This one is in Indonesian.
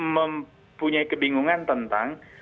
mempunyai kebingungan tentang